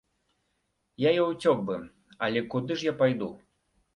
Я і ўцёк бы, але куды ж я пайду?